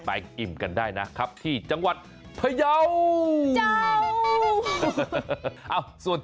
อิ่มกันได้นะครับที่จังหวัดพยาวเจ้า